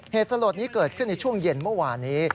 เหตุสลดนี้เกิดขึ้นในช่วงเย็นเมื่อวานนี้